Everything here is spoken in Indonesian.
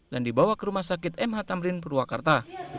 dan dibawa ke rumah sakit mh tamrin purwakarta